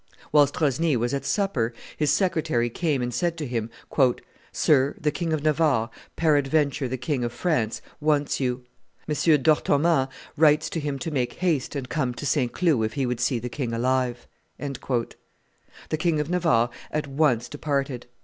Whilst Rosny was at supper, his secretary came and said to him, "Sir, the King of Navarre, peradventure the King of France, wants you. M. d'Orthoman writes to him to make haste and come to St. Cloud if he would see the king alive." The King of Navarre at once departed.